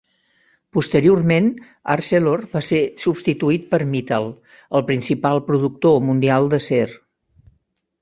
Posteriorment, Arcelor va ser substituït per Mittal, el principal productor mundial d'acer.